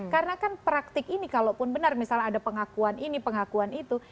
karena kan praktik ini kalaupun benar misalnya ada pengakuan ini pengakuan itu